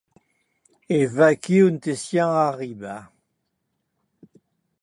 E vaquí a on auem arribat!